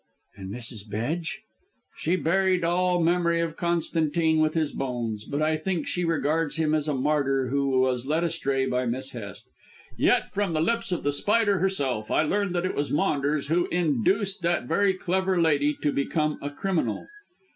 "And Mrs. Bedge?" "She buried all memory of Constantine with his bones, but I think she regards him as a martyr who was led astray by Miss Hest. Yet from the lips of The Spider herself I learned that it was Maunders who induced that very clever lady to become a criminal."